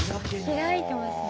開いてますね。